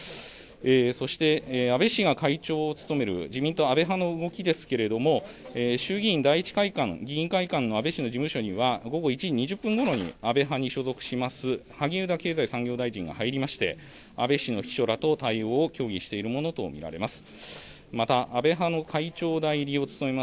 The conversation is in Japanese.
そして安倍氏が会長を務める自民党安倍派の動きですけれども衆院選第１会館の安倍氏の事務所には午後１時２０分ごろに安倍派に所属します萩生田経済作業大臣が入りまして安倍氏の秘書らと対応を協議しているものと見られます。